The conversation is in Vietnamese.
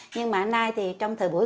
nhưng mà hôm nay thì trong thời buổi